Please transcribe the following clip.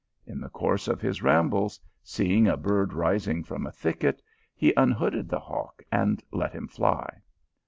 In the course of his rambles, seeing a bird rising from a thicket, he unhooded the hawk and let him fly.